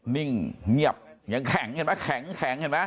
นิ่งเงียบยังแข็งแข็งเห็นไหม